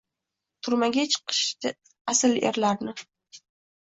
Turmaga tiqishdi asl erlarni